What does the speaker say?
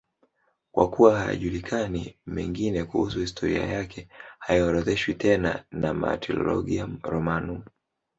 Kwa kuwa hayajulikani mengine kuhusu historia yake, haorodheshwi tena na Martyrologium Romanum.